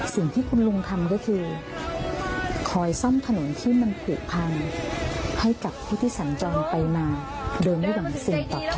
สิ่งที่คุณลุงทำก็คือคอยซ่อมถนนที่มันผูกพังให้กับผู้ที่สั่งจอมไปนานเดินให้หวังสิ่งต่อคันนะครับ